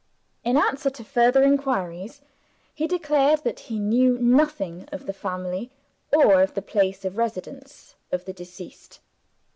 In answer to further inquiries, he declared that he knew nothing of the family, or of the place of residence, of the deceased.